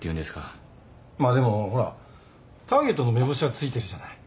まあでもほらターゲットの目星は付いてるじゃない。